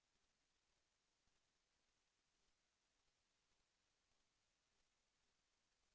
แสวได้ไงของเราก็เชียนนักอยู่ค่ะเป็นผู้ร่วมงานที่ดีมาก